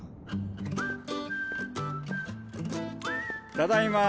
ただいま。